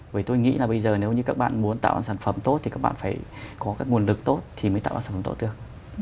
bởi tôi nghĩ là bây giờ nếu như các bạn muốn tạo sản phẩm tốt thì các bạn phải có các nguồn lực tốt thì mới tạo sản phẩm tốt được